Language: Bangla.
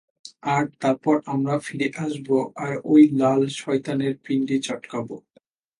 আর তারপর আমরা ফিরে আসবো আর ওই লাল শয়তানের পিণ্ডি চটকাবো।